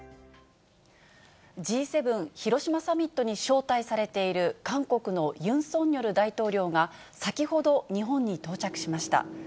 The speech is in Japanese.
Ｇ７広島サミットに招待されている韓国のユン・ソンニョル大統領が、先ほど日本に到着しました。